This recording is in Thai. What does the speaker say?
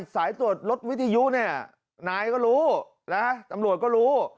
สายตรวจรถวิทยุเนี่ยนายก็รู้นะตำรวจก็รู้